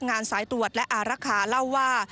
งานสายตรวจและอารคาเล่าว่า